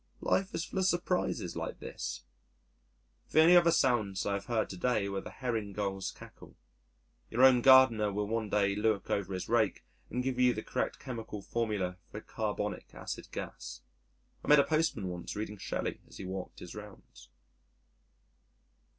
Life is full of surprises like this. The only other sounds I have heard to day were the Herring Gull's cackle. Your own gardener will one day look over his rake and give you the correct chemical formula for carbonic acid gas. I met a postman once reading Shelley as he walked his rounds.